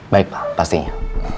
baik pak pastinya